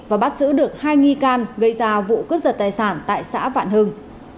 và bắt giữ được hai nghi can gây ra vụ cướp giật tài sản tại xã vạn hưng